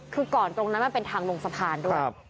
คือก่อนตรงนั้นมันเป็นทางลงสะพานด้วย